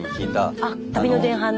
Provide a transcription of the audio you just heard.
あっ旅の前半で。